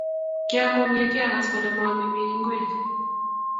Kiakwong' ye kiagas kole maame piik ingwek.